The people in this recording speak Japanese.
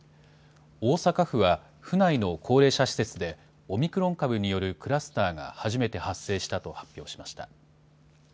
大阪府は、府内の高齢者施設で、オミクロン株によるクラスターが初めて発生したと発表しました。